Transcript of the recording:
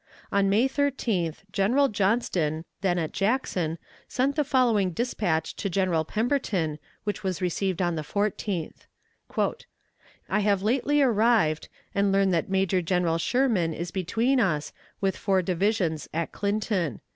On May 13th General Johnston, then at Jackson, sent the following dispatch to General Pemberton, which was received on the 14th: "I have lately arrived, and learn that Major General Sherman is between us, with four divisions at Clinton.